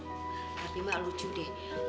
tapi mak lucu deh